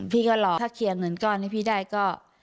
พี่ก็รอถ้าเคลียร์เงินก้อนให้พี่ได้ก็